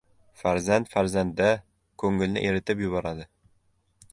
— Farzand farzand-da, ko‘ngilni eritib yuboradi.